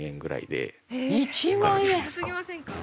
安すぎませんか？